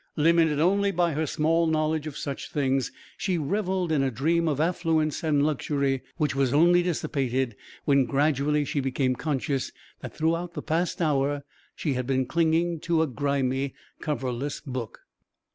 Limited only by her small knowledge of such things, she revelled in a dream of affluence and luxury which was only dissipated when gradually she became conscious that throughout the past hour she had been clinging to a grimy, coverless book.